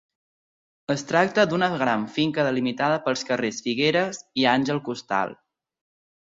Es tracta d'una gran finca delimitada pels carrers Figueres i Àngel Costal.